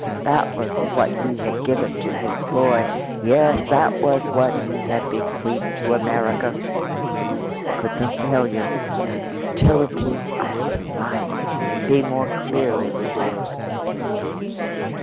That was what he had given to his boy. Yes, that was what he had bequeathed to America. Could the failure, the futility of his life be more clearly revealed?